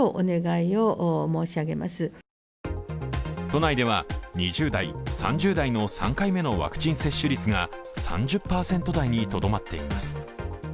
都内では２０代、３０代の３回目のワクチン接種率が３０％台にとどまっています。